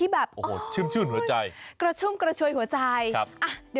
แบบโฟร์เซ็นต์แรม